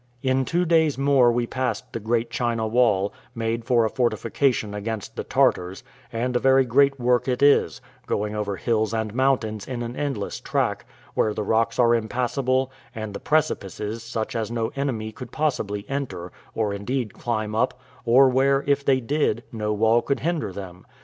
In two days more we passed the great China wall, made for a fortification against the Tartars: and a very great work it is, going over hills and mountains in an endless track, where the rocks are impassable, and the precipices such as no enemy could possibly enter, or indeed climb up, or where, if they did, no wall could hinder them.